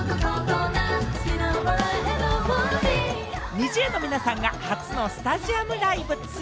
ＮｉｚｉＵの皆さんが初のスタジアムライブ２